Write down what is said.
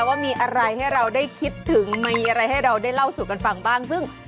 ว่ามีอะไรให้เราได้คิดถึงมีอะไรให้เราได้เล่าสู่กันฟังบ้างซึ่ง